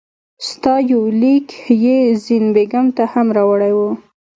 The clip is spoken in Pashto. ستا یو لیک یې زین بېګم ته هم راوړی وو.